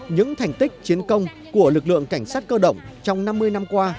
những thành tích chiến công của lực lượng cảnh sát cơ động trong năm mươi năm qua